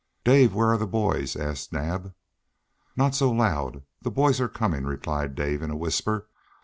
"Dave, where are the boys?" asked Naab. "Not so loud! The boys are coming," replied Dave in a whisper.